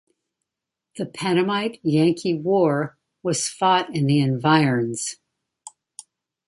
The Pennamite-Yankee War was fought in the environs.